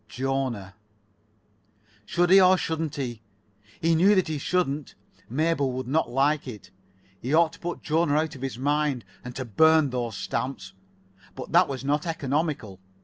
Jona. Should he, or shouldn't he? He knew that he shouldn't. Mabel would not like it. He ought to put Jona out of his mind, and to burn those stamps. But that was not economical.